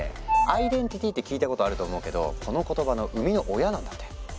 アイデンティティって聞いたことあると思うけどこの言葉の生みの親なんだって。